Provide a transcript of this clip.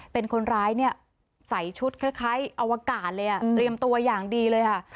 เป็นคนร้ายเนี่ยใส่ชุดคล้ายอวกาศเลยเตรียมตัวอย่างดีเลยค่ะ